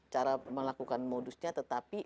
cara melakukan modusnya tetapi